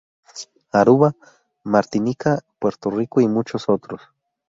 Aruba, Martinica, Puerto Rico y muchos otros.